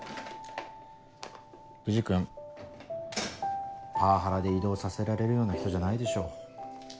藤君パワハラで異動させられるような人じゃないでしょ。